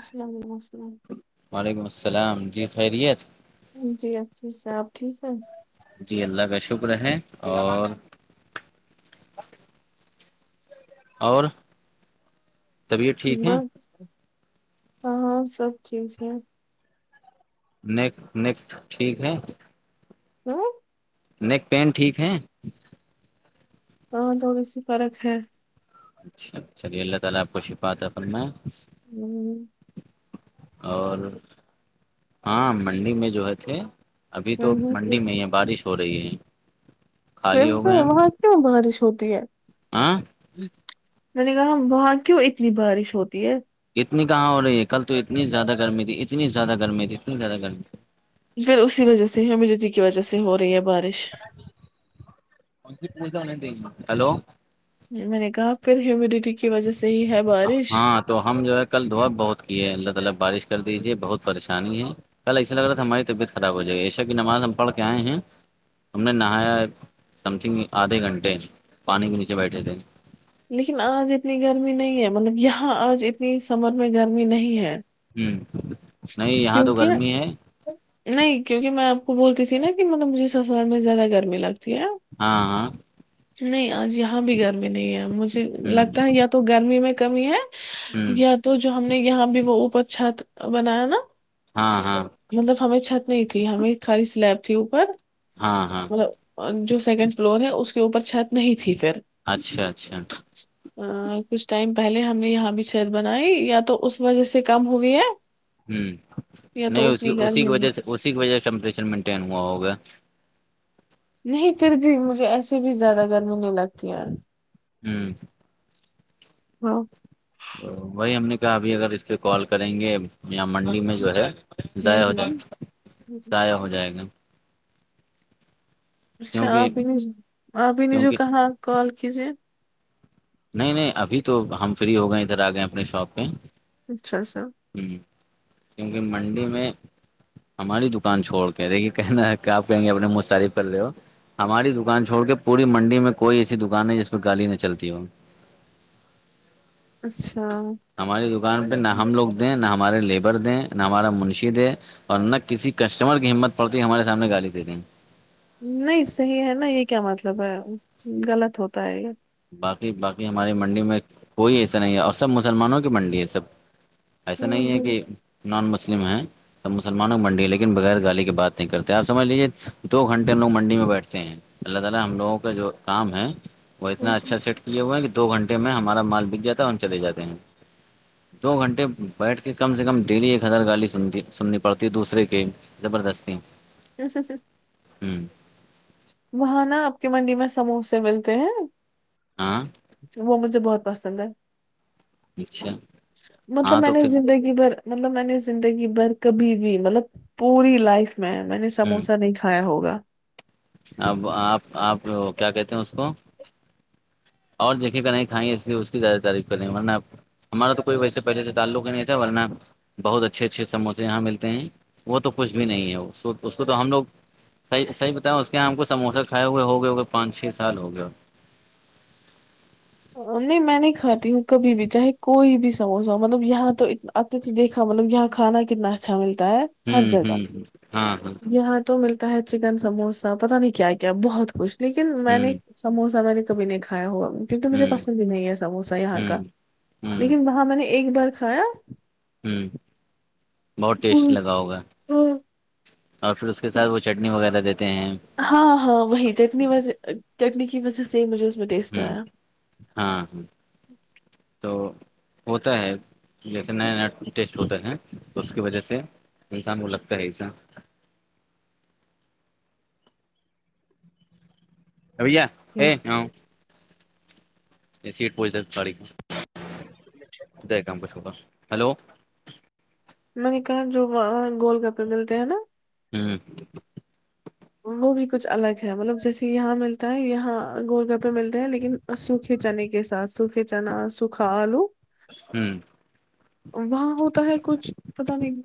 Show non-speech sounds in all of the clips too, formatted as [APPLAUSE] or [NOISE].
السلام علیکم [INAUDIBLE] وعلیکم السلام جی خیریت جی اچھی سے آپ ٹھیک ہے جی اللہ کا شکر ہے اور اور طبیعت ٹھیک ہے بس ہاں ہاں سب ٹھیک ہیں نیک نیک ٹھیک ہے [INAUDIBLE] ہوں [INAUDIBLE] نیک پین ٹھیک ہیں ہاں تھوڈی سی فرق ہے اچھا چلیے اللہ تعالی آپ کو شفاء عطا فرمایں ہوں [INAUDIBLE] اور ہاں منڈی میں جو ہے تھے ابھی تو ہوں، منڈی میں ہی ہے بارش ہو رہی ہے پھر خالی ہو سے گئے ہم وہاں کیوں بارش ہوتی ہے ہاں میں نے کہا وہاں کیوں اتنی بارش ہوتی ہے اتنی کہاں ہو رہی ہے کل تو اتنی زیادہ گرمی تھی اتنی زیادہ گرمی تھی اتنی زیادہ گرمی تھی پھر اسی وجہ سے ہیمیڈٹی کی وجہ سے ہو رہی ہے بارش ہیلو میں نے کہا پھر ہیمیڈیٹی کی وجہ سے ہی ہے بارش ہاں تو ہم جو ہے کل دعا بہت کیے ہے اللہ تعالی بارش کر دیجیے بہت پریشانی ہے کل ایسا لگ رہا تھا ہماری طبعت خراب ہو جائے گی عشاء کی نماز ہم پڑھ کے آئے ہیں ہم نے نہایا سم تھنگ آدھے گھنٹے پانی کے نیچے بیٹھے تھے لیکن آج اتنی گرمی نہیں ہے مطلب یہاں آج اتنی سمر میں گرمی نہیں ہے ہوں نہیں یہاں تو کیونکہ گرمی ہے نہیں کیونکہ میں آپ کو بولتی تھی نا کہ مطلب مجھے سسرال میں زیادہ گرمی لگتی ہے ہاں ہاں نہیں آج یہاں بھی گرمی نہیں ہے مجھے ہوں لگتا ہے یا تو گرمی میں کمی ہے ہوں یا تو جو ہم نے یہاں بھی وہ اوپر چھت بنایا نا [INAUDIBLE] ہاں ہاں مطلب ہمیں چھت نہیں تھی ہمیں خالی سلیب تھی اوپر ہاں ہاں مطلب جو سیکنڈ فلور ہے اس کے اوپر چھت نہیں تھی پھر اچھا اچھا کچھ ٹائم پہلے ہم نے یہاں بھی چھت بنائی یا تو اس وجہ سے کم ہوئی ہے یا نہیں تو اس کی اتنی اسی کی گرمی نہیں وجہ سے اسی کی وجہ سے ٹیمپریچر مینٹین ہوا ہوگا نہیں پھر بھی مجھے ایسے بھی زیادہ گرمی نہیں لگتی آج ہوں ہاں تو وہی ہم نے کہا ابھی اگر اس کے کال کریں گے منڈی میں جو ہے ہوں ضائع ہو جائے ہوں ضائع ہو جائے گا [INAUDIBLE] اچھا کیونکہ آپ ہی نے آپ ہی نے جو کیونکہ کہا کال کیجئے نہیں نہیں ابھی تو ہم فری ہو گئے ادھر آ گئے اپنے شاپ پہ اچھا اچھا کیونکہ منڈی میں ہماری دکان چھوڑ کے دیکھیے کہنا ہے کیا آپ کہیں گے اپنے مست تعریف کر رہے ہو ہماری دکان چھوڑ کے پوری منڈی میں کوئی ایسی دکان ہے جس پہ گالی نہ چلتی ہو اچھا ہماری دکان پہ نہ ہم لوگ دیں نہ ہمارے لیبر دیں نہ ہمارا منشی دے اور نہ کسی کسٹمر کی ہمت پڑتی ہمارے سامنے گالی دیے دیں نہیں صحیح ہے نا یہ کیا مطلب ہے غلط ہوتا ہے یہ باقی باقی ہماری منڈی میں کوئی ایسا نہیں ہے اور سب مسلمانوں کی منڈی ہے سب ایسا ہوں، نہیں ہے ہوں، کہ نان مسلم ہیں سب مسلمانوں کی منڈی ہے لیکن بغیر گالی کی بات نہیں کرتے آپ سمجھ لیجیے دو گھنٹے لوگ منڈی میں بیٹھتے ہیں اللہ تعالی ہم لوگوں کا جو کام ہے وہ اتنا اچھا سٹ کیے ہو ہے کہ دو گھنٹے میں ہمارا مال بک جاتا ہے اور چلے جاتے ہیں دو گھنٹے بیٹھ کے کم سے کم ڈیلی ایک ہزار گالی سنتی سننی پڑتی ہے دوسرے کے زبردستی جیس سے [UNINTELLIGIBLE] ہوں وہاں نا آپ کی منڈی میں سموسے ملتے ہیں آاں وہ مجھے بہت پسند ہے اچھا مطلب ہاں میں تو نے پھر زندگی بھر مطلب میں نے زندگی بھر کبھی بھی مطلب پوری لائف میں میں نے ہ سموسہ نہیں کھایا ہوگا اب آپ آپ کیا کہتے ہیں اس کو اور جھ کہیں کھائیسی اس کییادہ تعریف کریں گے ورنہ آ کو ہمارا تو کوئی ویسےہلے سے تعلق نہیں تھا ورنہ بہت اچھے اچھے سموسے یہاں ملتے ہیں وہ تو کچھ بھی نہیں ہے اس کو تو ہم لوگ صح بتایاوں اس کے یہ ہم کو سوسہ کھائے ہوئے ہو گیا ہو گے پانچ چھ سال ہو گیا ہو نہیں میں نہیں کھاتی ہوں کبھی بھی چاہے کوئی بھی سموسہ ہو مطلب یہاں تو اتنا آتے تھ دیکھا مطلب یہاں کھانا کتنا اچھا ملتا ہے ہر ہوں جگہ ہوں ہاں ہاں یہاں تو ملتا ہے چکن سموسا پتا نہیں کیا کیا بہت کچھ لیکن میں ہوں نے سموسا میں نے بھی نہیں کایا ہوا کی مجھے ہوں پس بھی نہیں ہے سموسا یہاں کا ہوں ہوں لیکن وہاں میں نے ایک بار کھایا ہوں بہت ٹیسٹ لگا ہوگا اور پھر اس کے ساتھ وہ چٹنی وغیرہ دیتے ہیں ہاں ہاں وہی چٹنی وج چٹنی کی وجہ سے مجھے اس میں ٹیسٹ ہوں آیا ہاں ہاں تو ہوتا ہے جیسے نیا نیا ٹیسٹ ہوتا ہے تو اس کی وجہ سے انسان کو لگتا ہے ایسا رویہ جی ہے ہ [UNINTELLIGIBLE] یہ سیٹ پہچ ج گاڑی کا کام کاش ہوا ہلو [UNINTELLIGIBLE] میں نے کہاں جو وہ گول گپے ملتے ہیں نا ہاں وہ بھی کچھ الگ ہے مطلب جیسے یہاں ملتا ہے یہاں گول گا پہ ملتے ہیں لیکن سوکھے چنے کے ساتھ سوکھے چنا سوکھا آلو ہوں وہاں ہوتا ہے کچھ پتا نہیں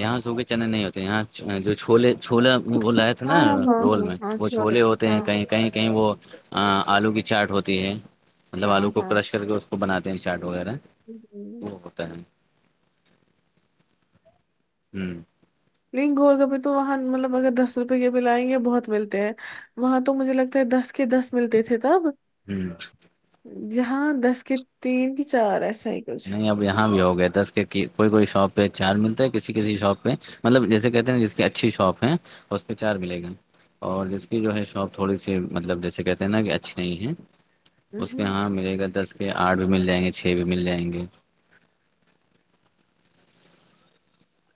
یہاں سے ہو کے چنے نہیں ہوتے یہاں جو چھوے چھولا بول رہ ہے نا ہاں ہاں رول ہاں میں ہاں وہ چھولے ہوتے ہیں ہاں کہیں کہیں کہیں وہ آلو کی چاٹ ہوتی ہے مطلب ہاں آلو کو کرش کر کے اس کو بناتے ہیں چاٹ وغیرہ ج [INAUDIBLE] کرتا ہیں [UNINTELLIGIBLE] ہوں لیکن گول گپی تو وہاں مطلب اگر دس روپے کے بل آئیں گے بہت ملتے ہیں وہاں تو مجھے لگتا ہے دس کے دس ملتے تھے تب ہوں یہاں دس کے تین کی چار ایسا ہی کچھ نہیں اب یہاں بھی ہو گیا تھاس کہ کوئی کوئی شاپ پہ چار ملتا ہے کسی کسی شاپ پہ مطلب جیسے کہتے ہیں ن جس کی اچھی شاپ ہے اس پہ چار ملے گا اور جس کی جو ہے شاپ تھوڑی سی مطلب جیسے کہتے ہیں نا کہ اچھی نہیں ہے اس کے مہم، ہاں ملے گا دس کے آٹھ بھی مل جائیں گے چھ بھی مل جائیں گے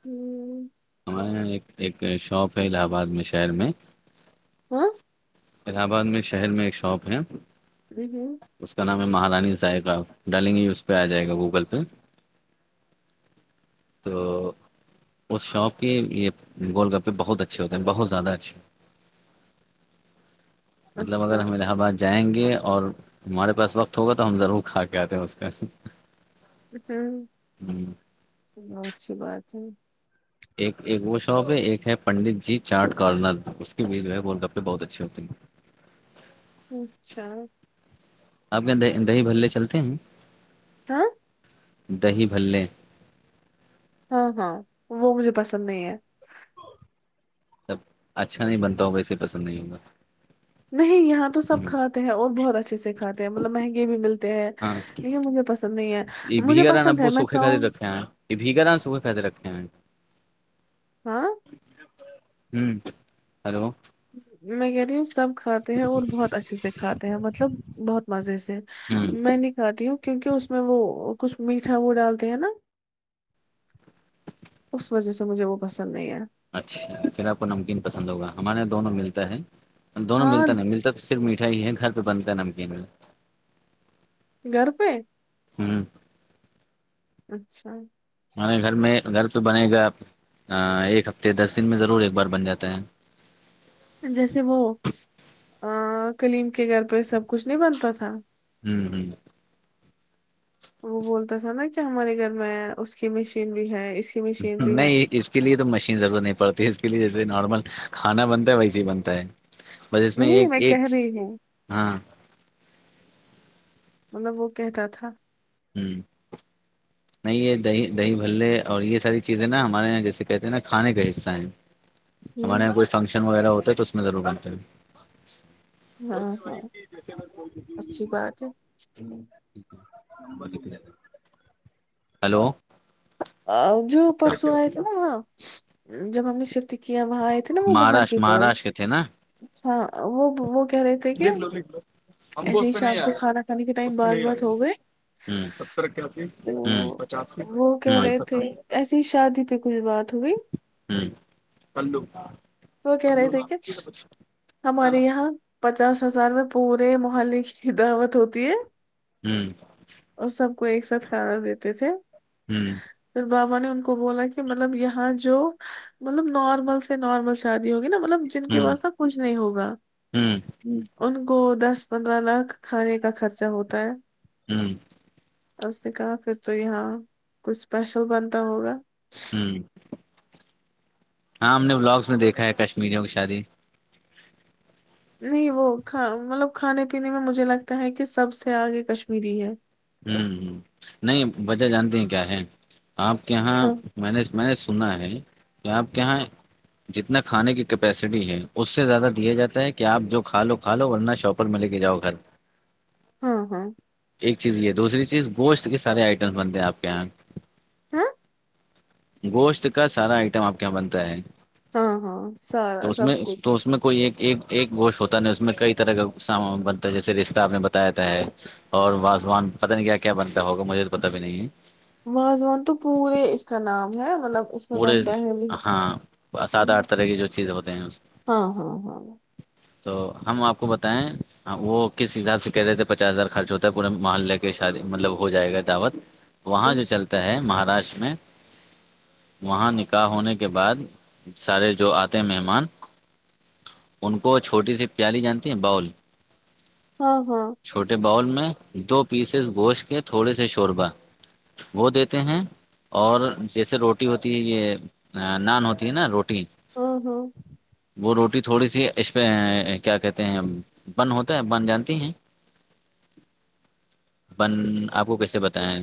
ہوں ہمارے یہاں ایک ایک شاپ ہے الہ آباد میں شہر میں ہ الہ آباد میں شہر میں ایک شاپ ہے ر ج اس کا نام ہے مہارانی سائق آپ ڈالیں گے یہ اس پہ آ جائے گا گوگل پہ تو اس شاپ کی یہ گول گپے بہت اچھے ہوتے ہیں بہت زیادہ اچھے مطلب اگر اچھا ہم الہ آباد جائیں گے اور ہمارے پاس وقت ہوگا تو ہم ضرور کھا کے آتے ہیں اس کا ہ س اچھی بات ہے ایک ایک وہ شاپ ہے ایک ہے پنڈت جی چارٹ کارنر اس کی بھی جو ہے ورلڈ کپ پہ بہت اچھی ہوتی ہے ج اچھا آپ کیا دہی بھلے چلتے ہیں ہ دہی بھلے ہاں ہاں وہ مجھے پسند نہیں ہے تب اچھا نہیں بنتا ہوگ ایسے پسند نہیں ہوگا نہیں یہاں تو سب کھاتے ہیں اور بہت اچھے سے کھاتے ہیں مطلب مہنگے بھی ملتے ہاں یہ مجھے پسند نہیں ہے مجھے پسند ہے میں کھاؤں گی ہ یہ بھیھگر آ صبح فائدے رکھے ہیں ہاں ہوں ہلو میں کہہ رہی ہوں سب کھاتے ہیں اور بہت اچھے سے کھاتے ہیں مطلب بہت مزے سے ہوں میں نہیں کھاتی ہوں کیونکہ اس میں وہ کچھ میٹھا وہ ڈالتے ہیں نا اس وجہ سے مجھے وہ پسند نہیں ہےیا اچھا پھر آپ کو نمکین پسند ہوگا ہمارے یہاں دونوں ملتا ہے دونوں ہاں ملتا نہیں ملتا صرف مٹھائی ہے گھر پہ بنتا ہے نمکین میں گھر پہ ہوں اچھا ہمارے گھر میں گھر توہ بنے گا ایک ہفتے دس دن میں ضرور ایک بار بن جاتا ہے جیسے وہ کلیم کے گھر پہ سب کچھ نہیں بنتا تھا ہوں ہوں وہ بولتا تھا نا کہ ہمارے گھر میں اس کی مشین بھی ہے اس کی مشین بھی ہے نہیں اس اس کے لیے تو مشین ضرورت نہیں پڑتی ہے اس کے لیے جیسے نارمل کانا بنتا ہے ویسے ہی بنتا ہے بس اس میں نہیں ایک ایک کہہ رہی ہوں ہاں مطلب وہ کہتا تھا ہوں نہیں یہ دہی دہی بھلے اور یہ ساری چیزیں نا ہمارے یہاں جیسے کہتے ہیں نا کھانے کا حصہ ہیں ہمارے ہوں یہاں کوئی فنکشن وغیرہ ہوتا ہے تو اس میں ضرور آتے ہے ہاں ہاں اچھی بات ہے [INAUDIBLE] ہیلو جو پرسو آیے تھے نا یہاں سب ہم نے شف سافٹ کیا وہاں آئے تھے نا وہ باہر کے مہاراشٹر مہاراشٹر کے ہاں وہ وہ کہہ رہے تھے کہ لکھ لو لکھ لو ہم کو ایسے اس ہی پہ نہیں شام کو آئے گا کھانا کھانے کے ٹائم اس پہ بات نہیں آئے بات ہو گا گئے ستر اکیاسی تو پچاسی وہ کہہ رہے تھے ایسی ہی شادی پہ کچھ بات ہوئی ہوں کلو وہ کہہ رہے تھے کہ ہمارے یہاں پچاس ہزار میں پورے محلے کی دعوت ہوتی ہے اور سب کو ایک ساتھ کھانا دیتے تھے پھر بابا نے ان کو بولا کہ مطلب یہاں جو مطلب نارمل سے نارمل شادی ہوگی نا مطلب جن کے پاس نا کچھ نہیں ہوگا ان کو دس پندرہ لاکھ کھانے کا خرچہ ہوتا ہے ہوں اس نے کہا پھر تو یہاں کچھ اسپیشل بنتا ہوگا [INAUDIBLE] ہاں ہم نے بلاگس میں دیکھا ہے کشمیریوں کی شادی نہیں وہ ک مطلب کھانے پینے میں مجھے لگتا ہے کہ سب سے آگے کشمیری ہے ہوں نہیں وجہ جانتے ہیں کیا ہے آپ کے یہاں ہاں میں نے میں نے سنا ہے کہ آپ کے یہاں جتنا کھانے کی کیپیسٹی ہے اس سے زیادہ دیا جاتا ہے کہ آپ جو کا لو کھا لو ورنہ شاپ شاپر میں لے کے جاؤ گھر ہاں ہاں ایک چیز یہ دوسری چیز گوشت کے سارے آئٹمس بنتے ہیں آپ کے یہاں ہ گوشت کا سارا آئٹم آپ کے یہاں بنتا ہے ہاں ہاں تو سارا اس میں سب کچھ تو اس میں کوئی ایک ایک گوشت ہوتا نا اس میں کئی طرح کا سامان بنتا ہے جیسے رستہ آپ نے بتایا ہے اور وازوان پتہ نہیں کیا کیا بنتا ہوگا مجھے تو پتا بھی نہیں ہے مواضوان تو پورے اس کا نام ہے مطلب اس میں مورے بنتا ہے بھی ہاں سات ہوں، آٹھ طرح کی جو چیز ہوتے ہیں اس ہاں ہاں ہاں [INAUDIBLE] تو ہم آپ کو بتائیں وہ کس حساب سے کہہ رہے تھے پچاس ہزار خرچ ہوتا ہے پورے محلے شادی مطلب ہو جائے گا دعوت وہاں ہوں، جو چلتا ہے مہاراشٹر میں وہاں نکاح ہونے کے بعد سارے جو آتے مہمان ان کو چھوٹی سی پیالی جانتی ہیں باؤول ہاں ہاں چھوٹے باؤل میں دو پیسز گوشت کے تھوڑے سے شوربہ وہ دیتے ہیں اور جیسے روٹی رو ہوتی ہے یہ نان ہوتی ہے نا روٹی ہاں ہاں وہ روٹی تھوڑی سی اس پہ کیا کہتے ہیں بن ہوتا ہے بن جانتی ہیں بند آپ کو کیسے بتائیں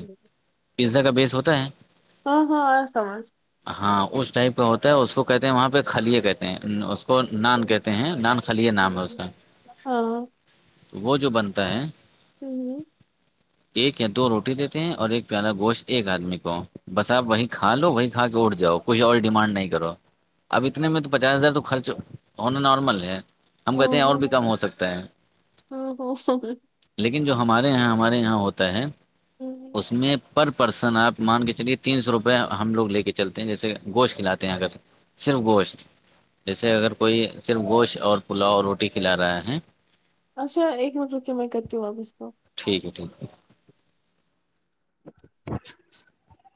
پزا کا بیس ہوتا ہے ہاں ہاں آیا سمجھ ہاں اس ٹائپ کا ہوتا ہے اس کو کہتے ہیں وہاں پہ خلیے کہتے ہیں کو نان کہتے ہیں نان خلییہ نان ہے اس کا ہاں ہوں، وہ جو بنتا ہے ہوں ایک یا دو روٹی دیتے ہیں اور ایک پیارا گوشت ایک آدمی کو بس آپ وہیھ کھا لو وہی کھا کے اٹھ جاؤ کچھ اور ڈیمانڈ نہیں کرو اب اتنے میں تو پچاس ہزار تو خرچ ہونا نارمل ہے ہم کہتے ہوں، ہیں اور بھی کم ہوں، ہو سکتا ہے ہوں، لیکن جو ہمارے یہاں ہمارے یہاں ہوتا ہے ہوں۔ اس میں پرسن آپ مان کے چلیے تین سو روپے ہم لوگ لے کے چلتے ہیں جیسے گوشت کھلاتے ہیں اگر صرف گوشت جیسے اگر کوئی صرف گوشت اور پلاؤ روٹی کھلا رہا ہے اچھا ایک منٹ روپے میں کرتی ہوں واپس کو ٹھیک ہے ٹھیک ہے چ